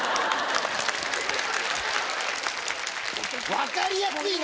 分かりやすいな。